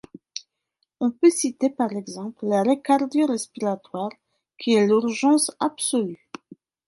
On peut citer par exemple l'arrêt cardio-respiratoire qui est l'urgence absolue.